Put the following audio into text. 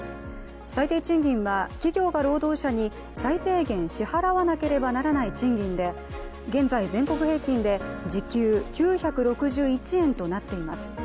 最低賃金は、企業が労働者に最低限支払わなければならない賃金で現在、全国平均で時給９６１円となっています。